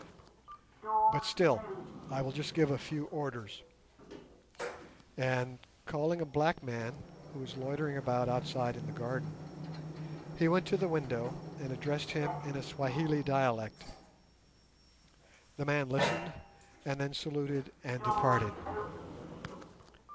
But, still, I will just give a few orders;" and, calling a black man who was loitering about outside in the garden, he went to the window, and addressed him in a Swahili dialect. The man listened, and then saluted and departed.